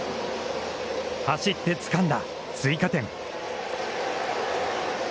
走ってつかんだ追加点。